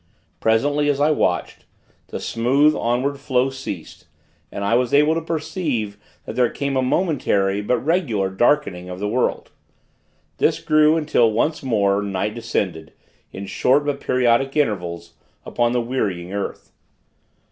Presently, as I watched, the smooth onward flow ceased; and I was able to perceive that there came a momentary, but regular, darkening of the world. This grew until, once more, night descended, in short, but periodic, intervals upon the wearying earth.